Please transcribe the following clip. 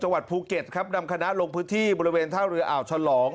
วัดภูเก็ตครับนำคณะลงพื้นที่บริเวณท่าเรืออ่าวฉลอง